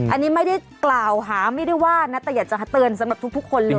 อันนี้ไม่ได้กล่าวหาไม่ได้ว่านะแต่อยากจะเตือนสำหรับทุกคนเลย